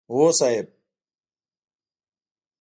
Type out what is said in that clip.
هو صاحب!